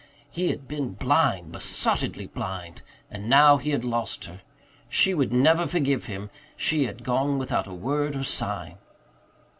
He had been blind, besottedly blind. And now he had lost her! She would never forgive him; she had gone without a word or sign.